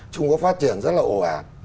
trung quốc phát triển rất là ồ ạt